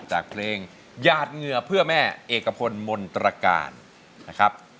จากเพลงญาติเหงื่อเพื่อแม่เอกพลมนตรการนะครับ